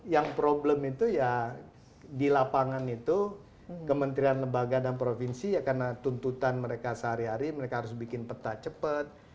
yang problem itu ya di lapangan itu kementerian lembaga dan provinsi ya karena tuntutan mereka sehari hari mereka harus bikin peta cepat